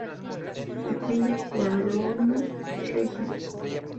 Al timbre, corona regia.